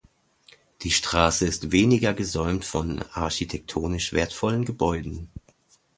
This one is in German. Die Straße ist weniger gesäumt von architektonisch wertvollen Gebäuden.